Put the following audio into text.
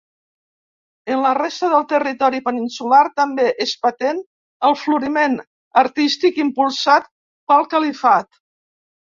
En la resta del territori peninsular també és patent el floriment artístic impulsat pel califat.